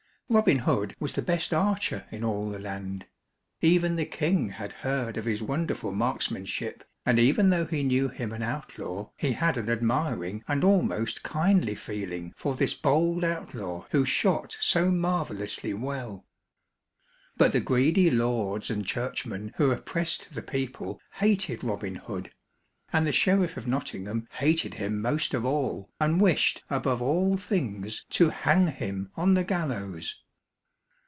Robin Hood was the best archer in all the land. Even the king had heard of his wonderful marksmanship, and even though he knew him an outlaw, he had an admiring and almost kindly feeling for this bold outlaw who shot so marvelously well. But the greedy lords and churchmen who oppressed the people hated Robin Hood; and the sheriff of Nottingham hated him most of all, and wished above all things to hang him on the gallows.